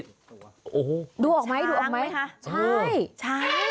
โอ้โหดูออกมั้ยดุออกมั้ยช้างไหมคะ